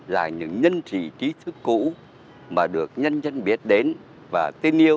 là những nhân trị trí thức cũ mà được nhân dân biết đến và tin yêu